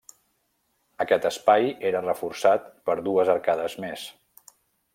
Aquest espai era reforçat per dues arcades més.